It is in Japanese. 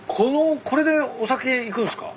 これでお酒いくんすか？